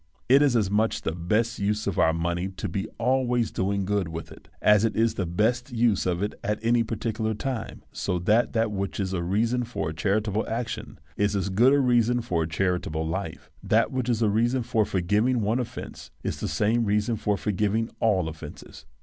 It is as much the best use of our money to be always doing good with it, as it is the best use of it at any particular time ; so that that which is a reason for a charitable action is as good a reason for a charitable life. That which is a reason for forgiving one offence is the same reason for for giving all offences.